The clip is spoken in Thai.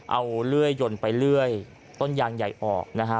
เอาเลื่อยยนต์ไปเลื่อยต้นยางใหญ่ออกนะฮะ